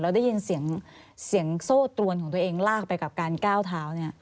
ได้ยินเสียงโซ่ตรวนของตัวเองลากไปกับการก้าวเท้า